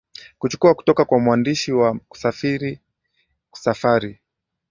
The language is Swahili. Kuchukua kutoka kwa mwandishi wa kusafiri safari